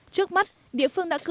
trước mắt địa phương đã cử